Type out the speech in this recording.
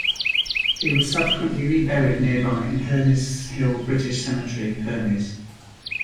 He was subsequently reburied nearby in Hermies Hill British Cemetery, Hermies.